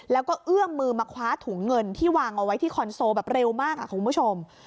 แล้วก็เอื้อมมือมาคว้าถุงเงินที่วางเอาไว้ที่คอนโซลแบบเร็วมากคุณผู้ชม